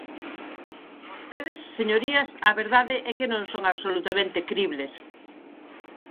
Vostedes, señorías, a verdade é que non son absolutamente cribles.